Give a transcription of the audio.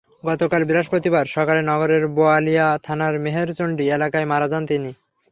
গতকাল বৃহস্পতিবার সকালে নগরের বোয়ালিয়া থানার মেহেরচণ্ডী এলাকায় মারা যান তিনি।